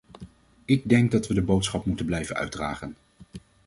Ik denk dat we de boodschap moeten blijven uitdragen.